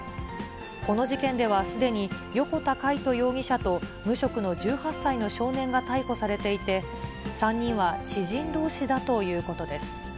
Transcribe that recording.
この事件ではすでに、横田魁人容疑者と無職の１８歳の少年が逮捕されていて、３人は知人どうしだということです。